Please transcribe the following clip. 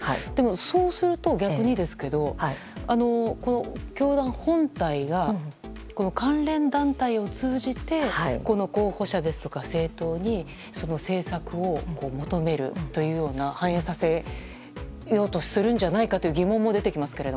そうすると逆に教団本体が関連団体を通じて候補者や政党に政策を求める反映させようとするんじゃないかという疑問も出てきます。